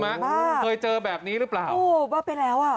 เออเคยเจอแบบนี้หรือเปล่าโอ้ว่าไปแล้วอ่ะ